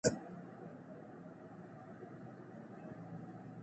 وزیرفتح خان د ابومسلم خراساني سره ورته والی لري.